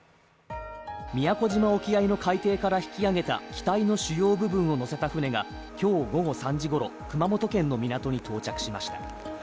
宮古島沖合の海底から引き揚げた機体の主要部分を載せた船が今日午後３時ごろ、熊本県の港に到着しました。